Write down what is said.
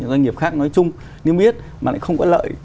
doanh nghiệp khác nói chung niêm yết mà lại không có lợi